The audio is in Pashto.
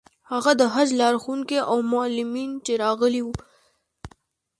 هغه د حج لارښوونکي او معلمین چې راغلي وو.